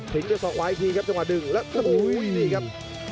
ด้วยศอกขวาอีกทีครับจังหวะดึงแล้วโอ้โหนี่ครับ